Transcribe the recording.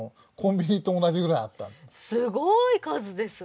すごい数ですね。